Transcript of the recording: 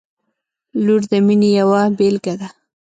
• لور د مینې یوه بېلګه ده.